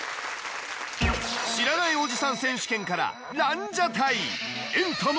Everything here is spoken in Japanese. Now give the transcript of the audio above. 知らないおじさん選手権からランジャタイ。